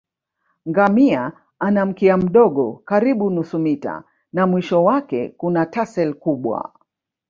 Ngamia ana mkia mdogo karibu nusu mita na mwisho wake kuna tassel kubwa